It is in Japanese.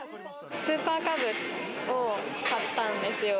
スーパーカブを買ったんですよ。